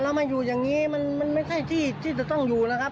อ๋อแล้วมาอยู่อย่างนี้มันไม่ใช่ที่จะต้องอยู่นะครับ